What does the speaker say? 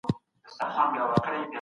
بنده باید تل د خدای بخښنې ته هیله من وي.